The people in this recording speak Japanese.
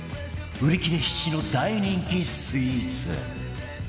売り切れ必至の大人気スイーツ